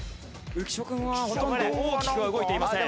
浮所君はほとんど大きくは動いていません。